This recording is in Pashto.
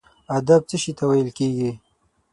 ادب څه شي ته ویل کیږي؟